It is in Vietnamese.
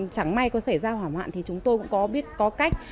chẳng may có xảy ra hỏa hoạn thì chúng tôi cũng có biết có cách